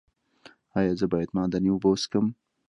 ایا زه باید معدني اوبه وڅښم؟